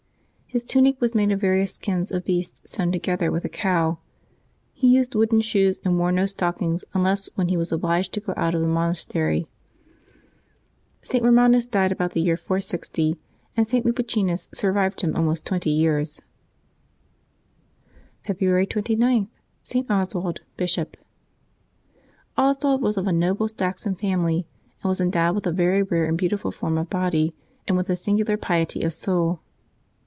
His tunic was made of various skins of beasts sewn together, with a cowl; he used wooden shoes, and wore no stockings unless when he was obliged to go out of the monastery. St. Eomanus died about the year 460, and St. Lupicinus survived him almost twenty years. February 29. — ST. OSWALD, Bishop. OSWALD was of a noble Saxon family, and was endowed with a very rare and beautiful form of body and with a singular piety of soul.